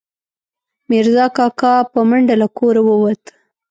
میرزا کاکا، په منډه له کوره ووت